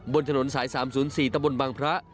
บนถนนสาย๓๐๔ตะบนบางพระ